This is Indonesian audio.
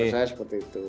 menurut saya seperti itu